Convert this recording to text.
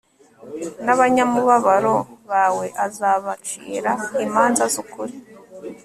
n'abanyamubabaro bawe azabacira imanza z'ukuri